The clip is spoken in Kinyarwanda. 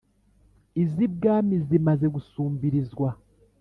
iz' ibwami zimaze gusumbirizwa,